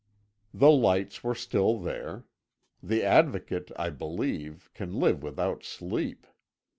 The lights were still there. The Advocate, I believe, can live without sleep.